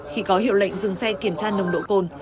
khi có hiệu lệnh dừng xe kiểm tra nồng độ cồn